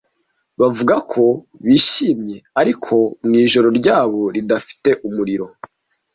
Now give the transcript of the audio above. bavuga ko bishimye ariko mu ijoro ryabo ridafite umuriro